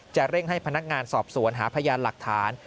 เร่งให้พนักงานสอบสวนหาพยานหลักฐาน